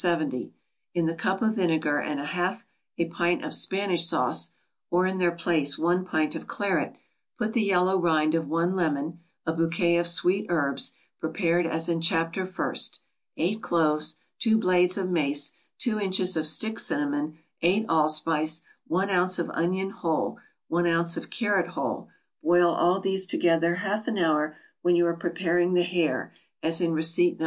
70; in the cup of vinegar and half a pint of Spanish sauce, (or in their place one pint of claret,) put the yellow rind of one lemon, a bouquet of sweet herbs, prepared as in Chapter first, eight cloves, two blades of mace, two inches of stick cinnamon, eight allspice, one ounce of onion whole, one ounce of carrot whole; boil all these together half an hour when you are preparing the hare, as in receipt No.